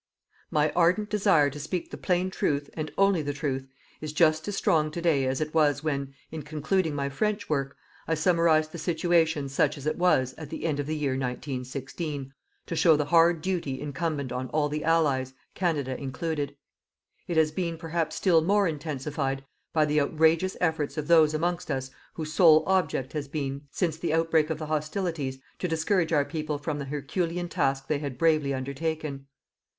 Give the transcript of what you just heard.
My ardent desire to speak the plain truth and only the truth, is just as strong to day as it was when, in concluding my French work, I summarized the situation such as it was at the end of the year 1916, to show the hard duty incumbent on all the Allies, Canada included. It has been perhaps still more intensified by the outrageous efforts of those amongst us whose sole object has been, since the outbreak of the hostilities, to discourage our people from the herculean task they had bravely undertaken.